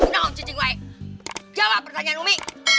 nuhon cincin gue jawab pertanyaan umi